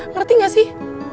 ngerti gak sih